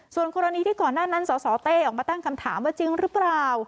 ส่วนกรณีที่ก่อนหน้านั้นสสเต้ออกมาตั้งคำถามว่าจริงหรือเปล่า